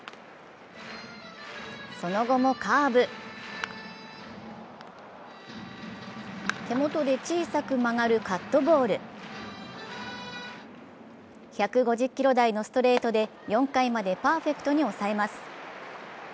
その後もカーブ、手元で小さく曲がるカッとボール、１５０キロ台のストレートで４回までパーフェクトに抑えます。